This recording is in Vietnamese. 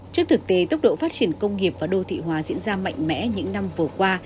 trước thực tế tốc độ phát triển công nghiệp và đô thị hóa diễn ra mạnh mẽ những năm vừa qua